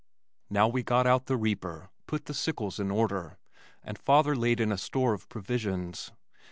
Now we got out the reaper, put the sickles in order, and father laid in a store of provisions.